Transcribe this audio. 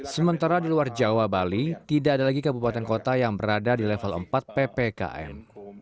sementara di luar jawa bali tidak ada lagi kabupaten kota yang berada di level empat ppkm